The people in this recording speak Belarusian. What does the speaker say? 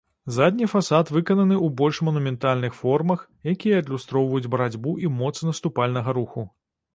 Задні фасад выкананы ў больш манументальных формах, якія адлюстроўваюць барацьбу і моц наступальнага руху.